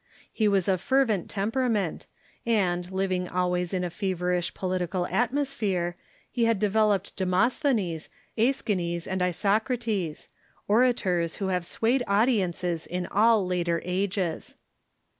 He was of fervent temper ament, and, living always in a feverish political atmosphere, he had developed Demosthenes, ^schines, and Isocrates — orators who have swayed audiences in all later ages.